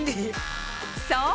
そう！